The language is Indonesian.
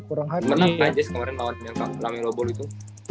menang jazz kemarin lawan lame lobol itu